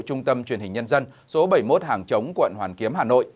trung tâm truyền hình nhân dân số bảy mươi một hàng chống quận hoàn kiếm hà nội